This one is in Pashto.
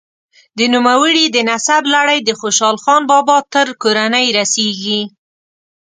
د نوموړي د نسب لړۍ د خوشحال خان بابا تر کورنۍ رسیږي.